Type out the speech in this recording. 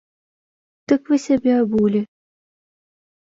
Дык вы сябе абулі!